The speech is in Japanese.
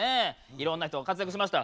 いろんな人が活躍しました。